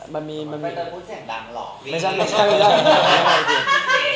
คุณเป็นใครแต่พูดเสียงดังหล่อกครับ